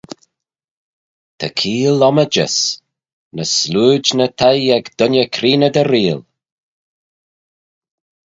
Ta keeayll ommidjys, ny slooid ny t'ee ec dooinney creeney dy reayll